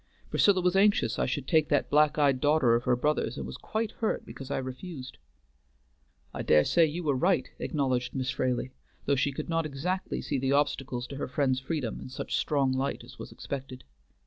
Priscilla was anxious I should take that black eyed daughter of her brother's, and was quite hurt because I refused." "I dare say you were right," acknowledged Miss Fraley, though she could not exactly see the obstacles to her friend's freedom in such strong light as was expected.